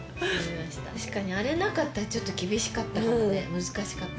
確かにあれなかったらちょっと厳しかったかもね難しかった。